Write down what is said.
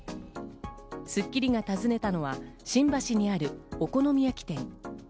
『スッキリ』が訪ねたのは、新橋にあるお好み焼店。